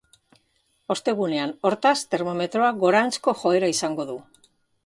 Ostegunean, hortaz, termometroak goranzko joera izango du.